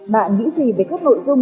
bạn nghĩ gì về các nội dung